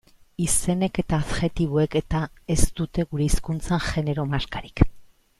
Izenek eta adjektiboek eta ez dute gure hizkuntzan genero markarik.